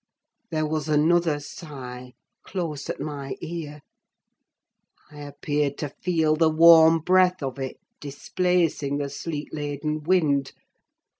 There was another sigh, close at my ear. I appeared to feel the warm breath of it displacing the sleet laden wind.